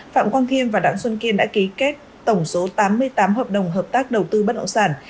phạm quang thiêm và đặng xuân kiên đã ký kết tổng số tám mươi tám hợp đồng hợp tác đầu tư bất động sản